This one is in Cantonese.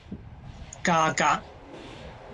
價格